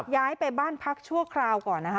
ย้ายไปบ้านพักชั่วคราวก่อนนะคะ